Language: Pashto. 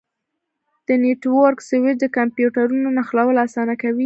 د نیټورک سویچ د کمپیوټرونو نښلول اسانه کوي.